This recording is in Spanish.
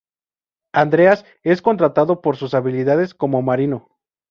Andreas es contratado por sus habilidades como Marino.